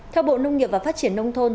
theo bộ nông nghiệp và phát triển nông thôn